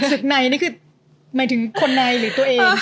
ศึกในนี่คือหมายถึงคนในหรือตัวเอง